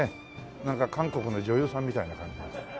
なんか韓国の女優さんみたいな感じ。